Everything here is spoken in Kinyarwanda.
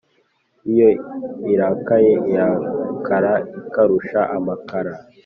iyo irakaye irakara ikarusha amakara